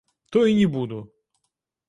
То і не буду!